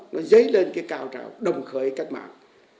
nó dấy lên cái cao trào đồng khởi cách mạng